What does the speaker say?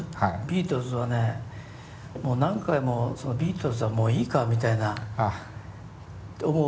ビートルズはねもう何回もビートルズはもういいかみたいな思うわけだけども。